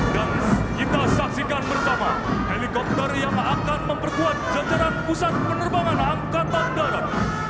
dan kita saksikan bersama helikopter yang akan memperkuat jajaran pusat penerbangan angkatan darat